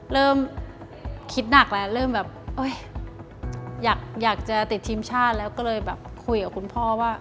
เริ่มคิดหนักแล้วเริ่มแบบอยากจะติดทีมชาติแล้วก็เลยแบบคุยกับคุณพ่อว่า